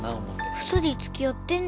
２人つきあってんの？